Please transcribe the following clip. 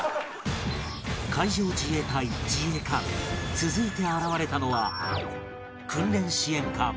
続いて現れたのは